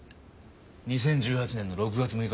２０１８年の６月６日だ。